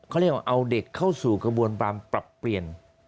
เขาเรียกว่าเอาเด็กเข้าสู่กระบวนการปรับเปลี่ยน